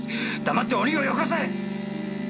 黙っておりんをよこせ！